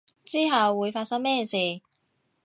之後會發生咩事